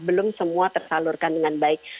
belum semua tersalurkan dengan baik